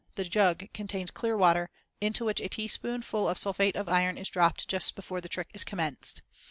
The jug contains clear water, into which a teaspoonful of sulphate of iron is dropped just before the trick is commenced.